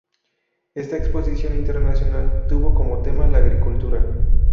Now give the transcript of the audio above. Esta exposición internacional tuvo como tema la agricultura.